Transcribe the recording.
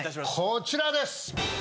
こちらです！